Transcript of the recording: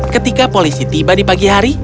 ketika polisi tiba di pagi hari